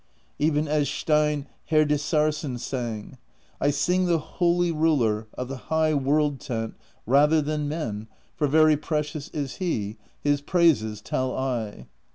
Even as Steinn Herdisarson sang: I sing the holy Ruler Of the high World Tent rather Than men, for very precious Is He: His praises tell I.